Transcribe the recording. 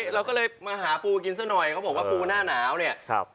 เราก็เลยมาหาปูกินซะหน่อยเขาบอกว่าปูหน้าหนาวเนี่ย